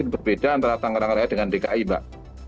ini beda antara tanggerang raya dengan dki mbak